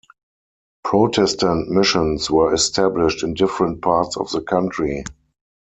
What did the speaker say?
Protestant missions were established in different parts of the country.